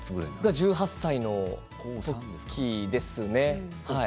１８歳の時ですね。